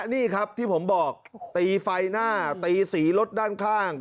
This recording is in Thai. นี่ครับที่ผมบอกตีไฟหน้าตีสีรถด้านข้าง